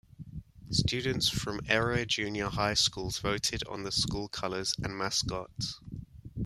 Students from area junior high schools voted on the school colors and mascot.